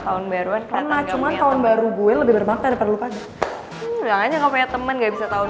tahun baruan karena cuma tahun baru gue lebih bermakna daripada lu pada temen nggak bisa tahun